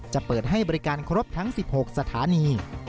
จะเปิดให้บริการครบทั้ง๑๖สถานี